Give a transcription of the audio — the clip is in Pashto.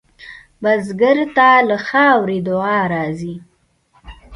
بزګر ته له خاورې دعا راځي